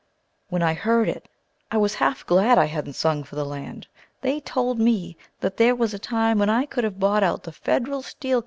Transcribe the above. When I heard it I was half glad I hadn't sung for the land. They told me that there was a time when I could have bought out the Federal Steel Co.